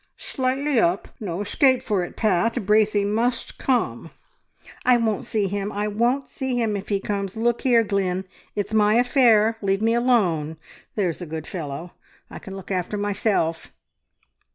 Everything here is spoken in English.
"Slightly up! No escape for it, Pat. Braithey must come!" "I won't see him. I won't see him if he comes! Look here, Glynn, it's my affair! Leave me alone, there's a good fellow! I can look after myself..."